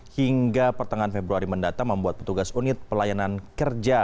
hingga pertengahan februari mendatang membuat petugas unit pelayanan kerja